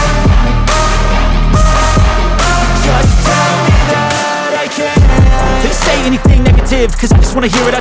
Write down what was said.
mita kamu itu tega banget sih mita